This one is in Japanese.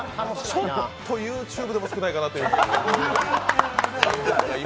ちょっとＹｏｕＴｕｂｅでも少ないかなと。